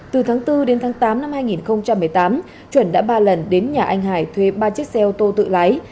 từ tháng bốn đến tháng tám năm hai nghìn một mươi tám chuẩn đã ba lần đến nhà anh hải thuê ba chiếc xe ô tô tự lái